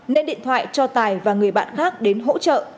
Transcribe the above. nên điện thoại cho tài và người bạn khác đến hỗ trợ